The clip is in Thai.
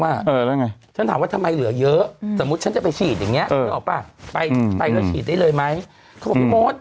แล้วไงฉันถามว่าทำไมเหลือเยอะแบบนี้เอาเป็นได้เลยไหม